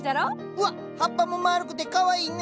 うわっ葉っぱもまるくてかわいいね！